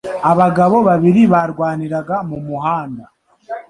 Abagabo babiri barwaniraga mu muhanda